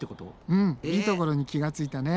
うんいいところに気が付いたね。